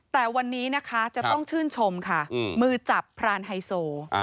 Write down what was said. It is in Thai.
แต่วันนี้นะคะจะต้องชื่นชมค่ะมือจับพรานไฮโซ